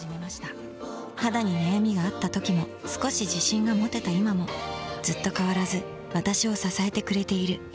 肌に悩みがあった時も少し自信が持てた今もずっと変わらず私を支えてくれている。